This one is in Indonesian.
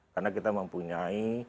karena kita mempunyai